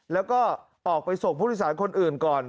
แล้วก็ออกไปส่งผู้โดยสารคนอื่นก่อน